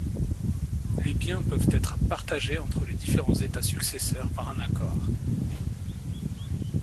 Les biens peuvent être partagés entre les différents États successeurs par un accord.